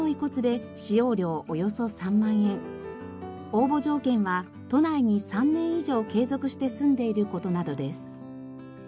応募条件は都内に３年以上継続して住んでいる事などです。